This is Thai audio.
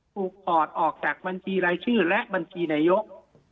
ถอดออกจากบัญชีรายชื่อและบัญชีนายก